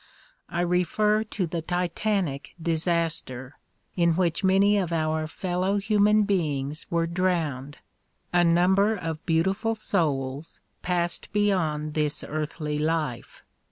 I refer to the "Titanic" disaster in which many of our fellow human beings were drowned, a number of beautiful souls passed beyond this earthly life.